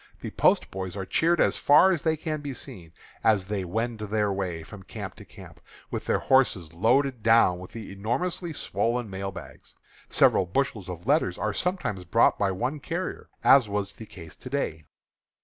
The post boys are cheered as far as they can be seen, as they wend their way from camp to camp, with their horses loaded down with the enormously swollen mail bags. Several bushels of letters are sometimes brought by one carrier, as was the case to day.